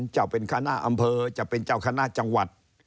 จะเป็นคณะอำเภอจะเป็นเจ้าคณะจังหวัด